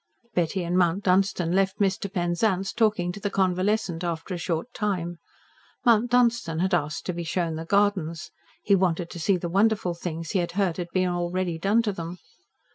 Betty and Mount Dunstan left Mr. Penzance talking to the convalescent after a short time. Mount Dunstan had asked to be shown the gardens. He wanted to see the wonderful things he had heard had been already done to them.